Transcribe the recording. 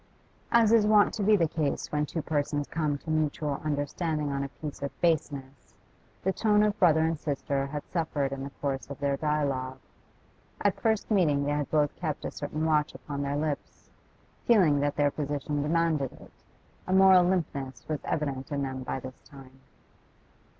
As is wont to be the case when two persons come to mutual understanding on a piece of baseness, the tone of brother and sister had suffered in the course of their dialogue. At first meeting they had both kept a certain watch upon their lips, feeling that their position demanded it; a moral limpness was evident in them by this time.